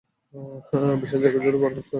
বিশাল জায়গা জুড়ে বরফের স্তর আলাদা হয়ে যাচ্ছে!